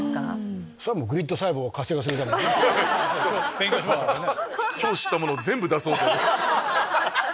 勉強しましたからね。